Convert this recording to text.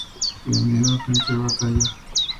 Bienvenido al frente de batalla.